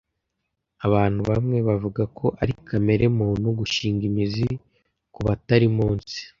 Abantu bamwe bavuga ko ari kamere muntu gushinga imizi kubatari munsi.